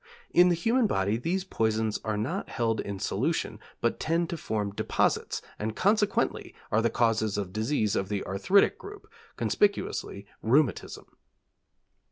In the human body these poisons are not held in solution, but tend to form deposits and consequently are the cause of diseases of the arthritic group, conspicuously rheumatism.